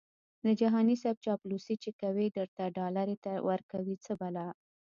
د جهاني صیب چاپلوسي چې کوي درته ډالري ورکوي څه بلا🤑🤣